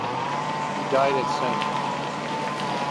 He died at St.